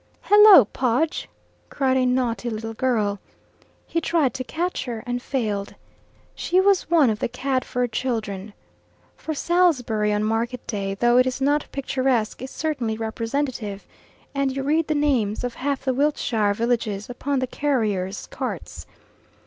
"Hullo, Podge!" cried a naughty little girl. He tried to catch her, and failed. She was one of the Cadford children. For Salisbury on market day, though it is not picturesque, is certainly representative, and you read the names of half the Wiltshire villages upon the carriers' carts.